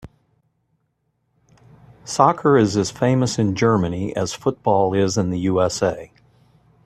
Soccer is as famous in Germany as football is in the USA.